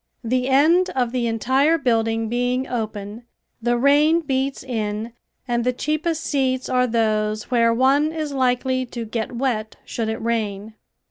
The end of the entire building being open, the rain beats in and the cheapest seats are those where one is likely to get wet should it rain.